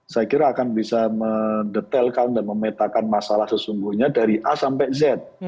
saya kira akan bisa mendetailkan dan memetakan masalah sesungguhnya dari a sampai z